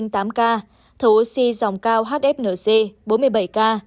thở oxy dòng cao hfnc bốn mươi bảy ca